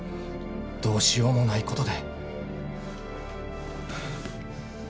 どうしようもないことで。